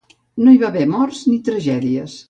No hi va haver morts ni tragèdies.